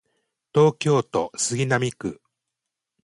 東京都杉並区